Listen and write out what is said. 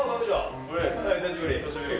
久しぶり。